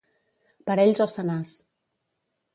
Parells o senars.